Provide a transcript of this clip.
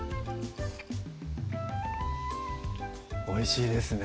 おいしいですね